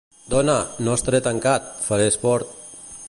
Dona, no estaré tancat, faré esport….